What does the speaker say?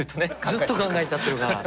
ずっと考えちゃってるから。